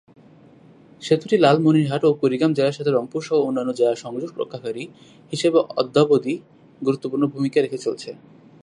সেতুটি লালমনিরহাট ও কুড়িগ্রাম জেলার সাথে রংপুর সহ অন্যান্য জেলার সংযোগ রক্ষাকারী হিসেবে অদ্যাবধি গুরত্বপূর্ণ ভূমিকা রেখে চলেছে।